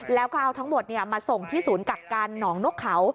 แล้วก็เอาทั้งหมดมาส่งที่ศูนย์กักกันหนองนกเขา